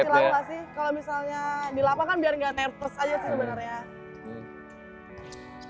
kalau misalnya di lapangan biar gak nervous aja sih sebenarnya